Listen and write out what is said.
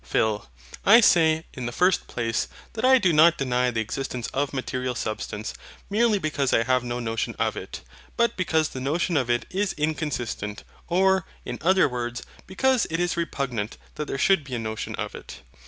PHIL. I say, in the first place, that I do not deny the existence of material substance, merely because I have no notion of it' but because the notion of it is inconsistent; or, in other words, because it is repugnant that there should be a notion of it.